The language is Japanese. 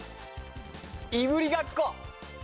いぶりがっこ！